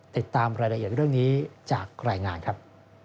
ติดตามรายละเอียดเรื่องนี้จากรายงานครับ